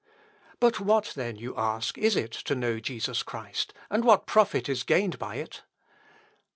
"But what, then, you ask, is it to know Jesus Christ, and what profit is gained by it?